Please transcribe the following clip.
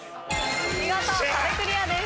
見事壁クリアです。